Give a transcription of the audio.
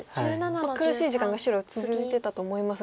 苦しい時間が白続いてたと思いますが。